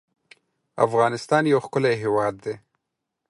افغانستان يو ښکلی هېواد دی